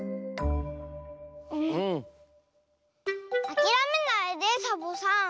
あきらめないでサボさん。